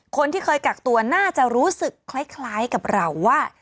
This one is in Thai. คนที่เคยกักตัวน่าจะรู้สึกคล้ายกับเราว่า